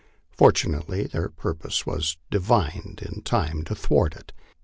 Fortunately their purpose was divined in time to thwart it.